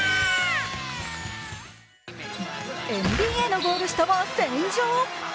ＮＢＡのゴール下は戦場。